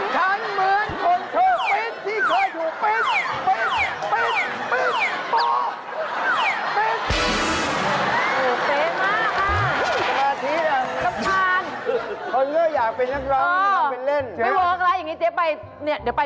ทั้งหมื่นคนเขาปิ๊ดที่เคยถูกปิ๊ด